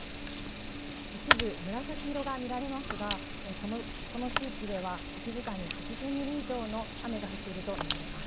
一部紫色が見られますがこの地域では１時間に８０ミリ以上の雨が降っていると見られます。